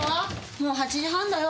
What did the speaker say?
もう８時半だよ。